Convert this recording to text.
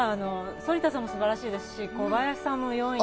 反田さんも素晴らしいですし、小林さんも４位。